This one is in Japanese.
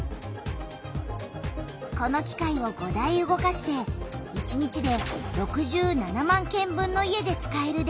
この機械を５台動かして１日で６７万軒分の家で使える電気をつくっている。